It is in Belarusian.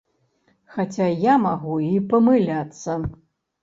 Хаця я магу й памыляцца.